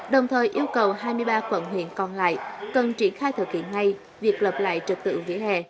đồng thời yêu cầu hai mươi ba quận huyện còn lại cần triển khai thực hiện ngay việc lập lại trật tự vỉa hè